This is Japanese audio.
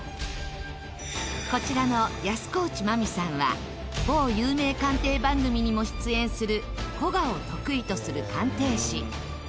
こちらの安河内眞美さんは某有名鑑定番組にも出演する古画を得意とする鑑定士。